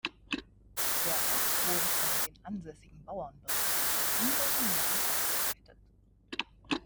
Der Bach wurde von den ansässigen Bauern bereits vor hunderten Jahren abgeleitet.